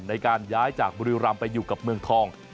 ในการย้ายจากบุรีรำไปอยู่กับเมืองทอง